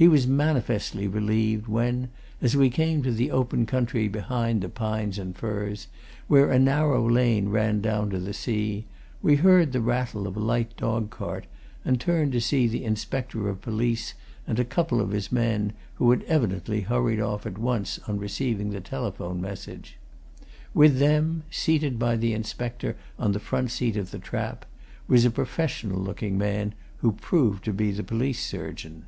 He was manifestly relieved when, as we came to the open country behind the pines and firs, where a narrow lane ran down to the sea, we heard the rattle of a light dog cart and turned to see the inspector of police and a couple of his men, who had evidently hurried off at once on receiving the telephone message. With them, seated by the inspector on the front seat of the trap, was a professional looking man who proved to be the police surgeon.